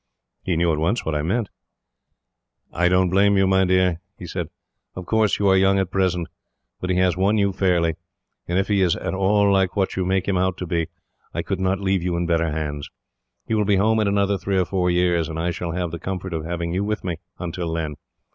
"He knew at once what I meant. "'I don't blame you, my dear,' he said. 'Of course, you are young at present, but he has won you fairly; and if he is at all like what you make him out to be, I could not leave you in better hands. He will be home in another three or four years, and I shall have the comfort of having you with me, until then.